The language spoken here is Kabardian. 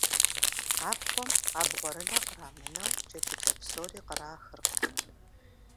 Абгъуэм абгъурынэ кърамынэу, джэдыкӏэ псори кърахыркъым.